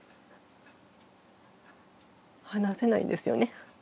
話せないんですよね